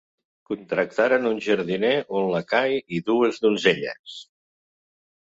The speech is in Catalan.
Contractaren un jardiner, un lacai i dues donzelles.